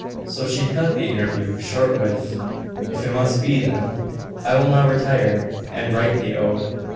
So she cut the interview short with 'If it must be, then.... I will now retire, and write the ode.